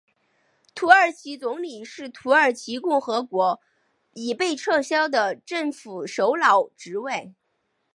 土耳其总理是土耳其共和国已被撤销的政府首脑职位。